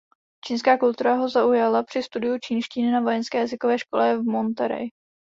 Čínská kultura ho zaujala při studiu čínštiny na vojenské jazykové škole v Monterey.